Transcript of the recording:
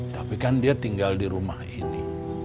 tapi kan dia tinggal di rumah ini